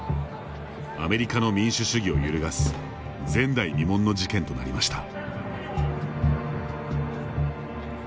アメリカの民主主義を揺るがす前代未聞の事件となりました。